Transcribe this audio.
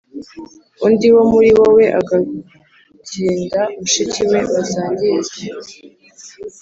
undi wo muri wowe agakinda mushiki we basangiye se